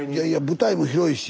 舞台も広いし。